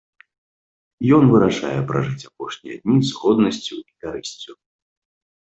Ён вырашае пражыць апошнія дні з годнасцю і карысцю.